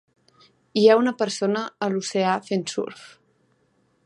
Hi ha una persona a l'oceà fent surf.